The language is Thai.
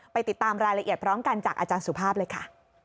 ติดตามรายละเอียดพร้อมกันจากอาจารย์สุภาพเลยค่ะ